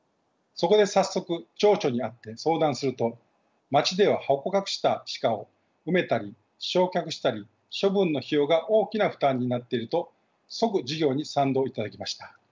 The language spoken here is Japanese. そこで早速町長に会って相談すると町では捕獲した鹿を埋めたり焼却したり処分の費用が大きな負担になっていると即事業に賛同いただきました。